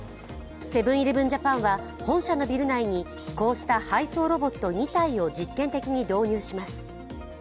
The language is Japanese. セブン−イレブン・ジャパンは本社のビル内に、こうした配送ロボット２体を実験的に導入します。